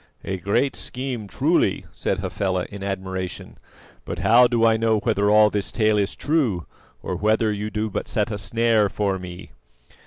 "A great scheme truly," said Hafela in admiration; "but how do I know whether all this tale is true, or whether you do but set a snare for me?"